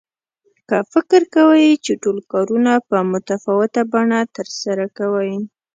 که فکر کوئ چې ټول کارونه په متفاوته بڼه ترسره کوئ.